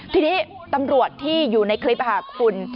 ทีนี้ตำรวจที่อยู่ในคลิปค่ะคุณ